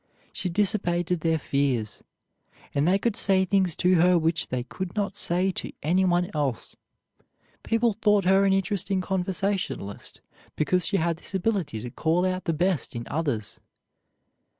She dissipated their fears, and they could say things to her which they could not say to anyone else. People thought her an interesting conversationalist because she had this ability to call out the best in others.